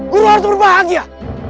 guru harus berbahagia